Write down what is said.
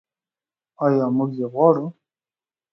آیا موږ یې غواړو؟